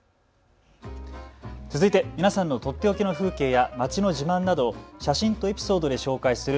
続いて皆さんのとっておきの風景や街の自慢などを写真とエピソードで紹介する＃